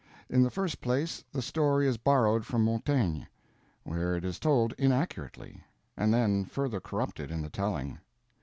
In the first place, the story is borrowed from Montaigne, where it is told inaccurately, and then further corrupted in the telling.